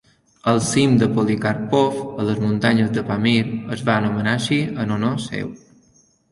El cim de Polikarpov, a les muntanyes del Pamir, es va anomenar així en honor seu.